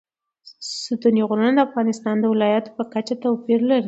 ستوني غرونه د افغانستان د ولایاتو په کچه توپیر لري.